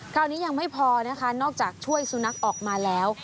คราวนี้ยังไม่พอนะคะนอกจากช่วยสุนัขออกมาแล้ว